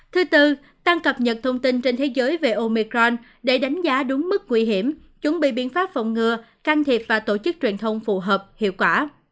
thứ tư tăng cập nhật thông tin trên thế giới về omecron để đánh giá đúng mức nguy hiểm chuẩn bị biện pháp phòng ngừa can thiệp và tổ chức truyền thông phù hợp hiệu quả